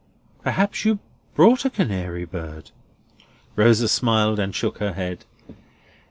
Perhaps you brought a canary bird?" Rosa smiled and shook her head.